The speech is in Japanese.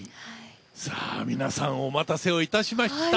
皆さん、お待たせをいたしました。